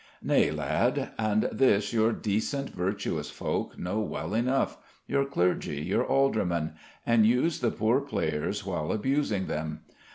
Nay, lad: and this your decent, virtuous folk know well enough your clergy, your aldermen and use the poor players while abusing them.